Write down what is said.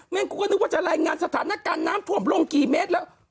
งกูก็นึกว่าจะรายงานสถานการณ์น้ำท่วมลงกี่เมตรแล้ว